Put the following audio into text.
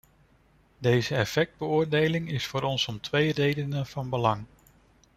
Deze effectbeoordeling is voor ons om twee redenen van belang.